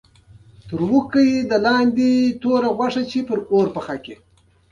مورغاب سیند د افغانستان د ځمکې د جوړښت نښه ده.